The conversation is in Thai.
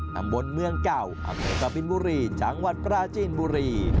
นำบนเมืองเก่าอเมริกาบินบุรีจังหวัดประจินบุรี